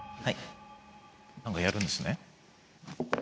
何かやるんですね。